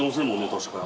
確かに。